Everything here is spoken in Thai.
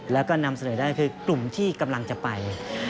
แล้วก็นำเสนอได้คือกลุ่มที่กำลังจะไป